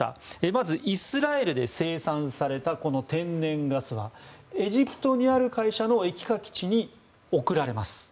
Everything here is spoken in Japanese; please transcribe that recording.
まずイスラエルで生産されたこの天然ガスはエジプトにある会社の液化基地に送られます。